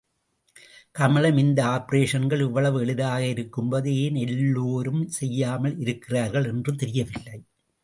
கமலம் இந்த ஆப்பரேஷன்கள் இவ்வளவு எளிதாக இருக்கும்போது ஏன் எல்லோரும் செய்யாமல் இருக்கிறார்கள் என்று தெரியவில்லை.